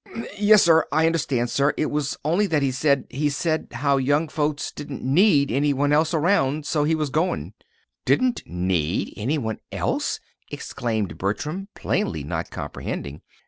"Yes, sir. I understand, sir. It was only that he said he said as how young folks didn't need any one else around. So he was goin'." "Didn't need any one else!" exclaimed Bertram, plainly not comprehending.